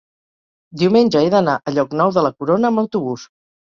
Diumenge he d'anar a Llocnou de la Corona amb autobús.